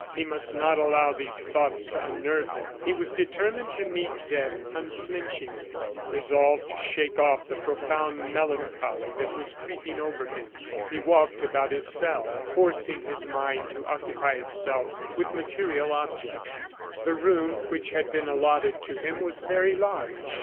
He must not allow these thoughts to unnerve him. He was determined to meet death unflinchingly. Resolved to shake off the profound melancholy that was creeping over him, he walked about his cell, forcing his mind to occupy itself with material objects. The room which had been allotted to him was very large.